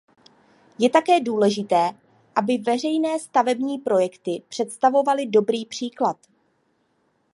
Je také důležité, aby veřejné stavební projekty představovaly dobrý příklad.